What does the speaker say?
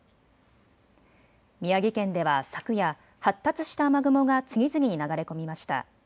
宮城県では昨夜、発達した雨雲が次々に流れ込みました。